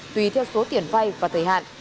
tùy theo số tiền vai và thời hạn